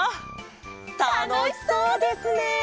たのしそうですね！